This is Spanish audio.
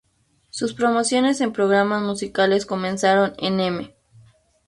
Sus promociones en programas musicales comenzaron en "M!